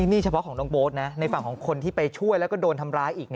นี่เฉพาะของน้องโบ๊ทนะในฝั่งของคนที่ไปช่วยแล้วก็โดนทำร้ายอีก